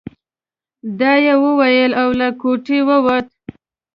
دا يې وويل او له کوټې ووت.